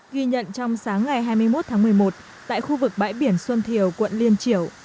ghi nhận trong sáng ngày hai mươi một tháng một mươi một tại khu vực bãi biển xuân thiều quận liên triểu